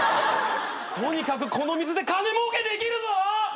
とにかくこの水で金もうけできるぞ！